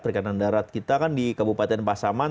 perikanan darat kita kan di kabupaten pasaman